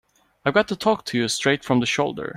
I've got to talk to you straight from the shoulder.